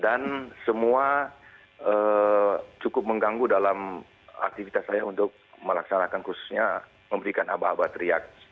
dan semua cukup mengganggu dalam aktivitas saya untuk melaksanakan khususnya memberikan aba aba teriak